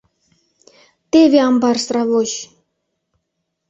Теве амбар сравоч!..